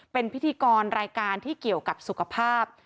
เป็นพิธีกรรายการที่เกี่ยวกับสุขภาพ